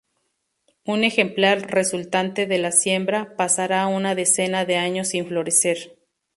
Un ejemplar resultante de la siembra, pasará una decena de años sin florecer.